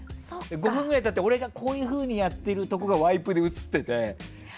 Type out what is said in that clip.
５分くらい経って俺がこういうふうにやってるのがワイプで映ってて。